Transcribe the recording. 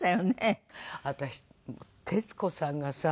私徹子さんがさ